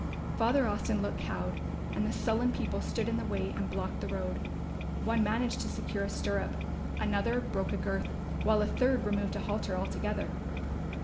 Father Austin looked cowed, and the sullen people stood in the way and blocked the road. One managed to secure a stirrup, another broke a girth, while a third removed a halter altogether.